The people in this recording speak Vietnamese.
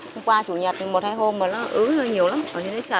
hôm qua chủ nhật một hai hôm mà nó ướt ra nhiều lắm ở đây nó chặt